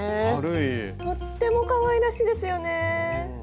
とってもかわいらしいですよね。